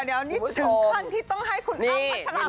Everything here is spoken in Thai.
เดี๋ยวนี้ถึงขั้นที่ต้องให้คุณอ้ำพัชรา